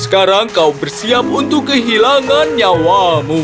kau bersiap untuk hilang nyawa